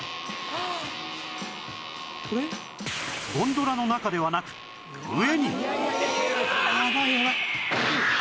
ゴンドラの中ではなく上に！